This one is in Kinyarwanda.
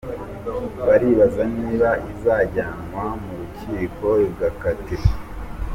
Baribaza niba izajyanwa mu rukiko igakatirwa!.